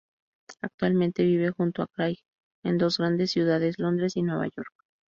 Actualmente vive junto a Craig en dos grandes ciudades, Londres y Nueva York.